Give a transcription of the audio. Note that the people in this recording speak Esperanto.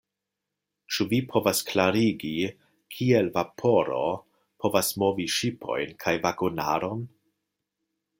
Ĉu vi povas klarigi, kiel vaporo povas movi ŝipojn kaj vagonaron?